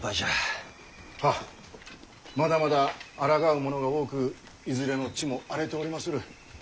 まだまだあらがう者が多くいずれの地も荒れておりまする。